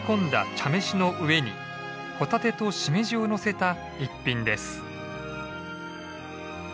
茶飯の上にホタテとシメジをのせた逸品です。